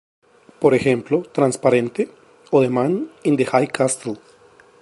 Por ejemplo "Transparente" o "The Man in the High Castle".